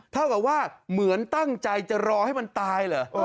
เท่ากับว่าเหมือนตั้งใจจะรอให้มันตายเหรอ